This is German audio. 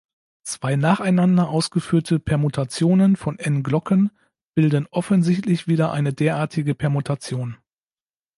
Zwei nacheinander ausgeführte Permutationen von "n" Glocken bilden offensichtlich wieder eine derartige Permutation.